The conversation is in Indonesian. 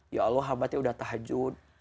ya allah hamatnya udah tahajud